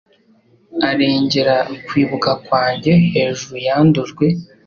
arengera kwibuka kwanjye hejuru yandujwe